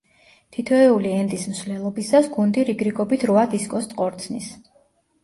თითოეული „ენდის“ მსვლელობისას გუნდი რიგრიგობით რვა დისკოს ტყორცნის.